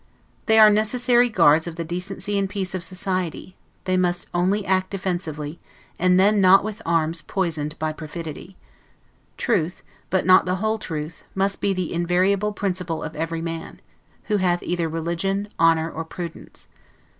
They are necessary guards of the decency and peace of society; they must only act defensively; and then not with arms poisoned by perfidy. Truth, but not the whole truth, must be the invariable principle of every man, who hath either religion, honor, or prudence.